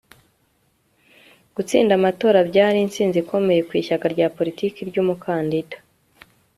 gutsinda amatora byari intsinzi ikomeye ku ishyaka rya politiki ry'umukandida